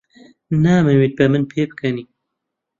نامەوێت بە من پێبکەنی.